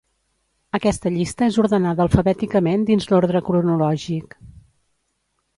Aquesta llista és ordenada alfabèticament dins l'ordre cronològic.